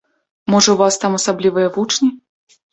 Можа, у вас там асаблівыя вучні?